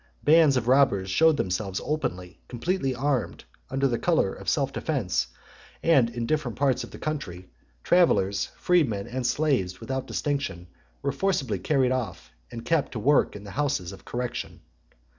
Bands of robbers showed themselves openly, completely armed, under colour of self defence; and in different parts of the country, travellers, freemen and slaves without distinction, were forcibly carried off, and kept to work in the houses of correction .